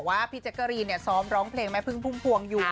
แม่เพิ่งส้อมร้องเพลงแม่เพิ่งฟุ้งฟวงอยู่